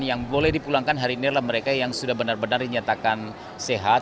yang boleh dipulangkan hari ini adalah mereka yang sudah benar benar dinyatakan sehat